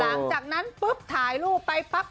หลังจากนั้นปุ๊บถ่ายรูปไปปั๊บ